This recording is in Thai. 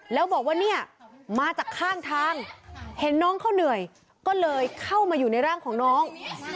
แล้วบอกว่าเนี่ยมาจากข้างทางเห็นน้องเขาเหนื่อยก็เลยเข้ามาอยู่ในร่างของน้อง